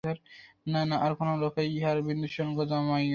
না না, আর কোনো লোককে ইহার বিন্দুবিসর্গ জানাইয়ো না।